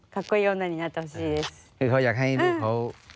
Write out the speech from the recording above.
คือเค้าอยากให้ลูกเค้า